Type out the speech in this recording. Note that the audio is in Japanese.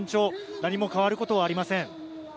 何も変わることはありません。